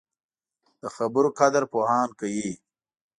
د خبرو قدر پوهان کوي